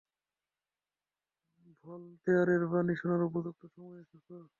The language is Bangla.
ভলতেয়ারের বাণী শোনার উপযুক্ত সময়ে এসেছো।